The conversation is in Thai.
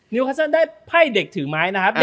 คัสเซิลได้ไพ่เด็กถือไม้นะครับ